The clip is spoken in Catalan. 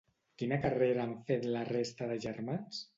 Quina carrera han fet la resta de germans?